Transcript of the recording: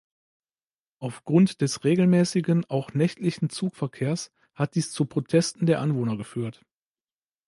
Aufgrund des regelmäßigen, auch nächtlichen Zugverkehrs hat dies zu Protesten der Anwohner geführt.